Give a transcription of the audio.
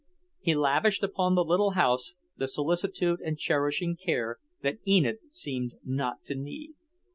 He lavished upon the little house the solicitude and cherishing care that Enid seemed not to need.